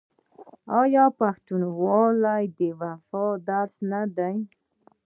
آیا پښتونولي د وفا درس نه دی؟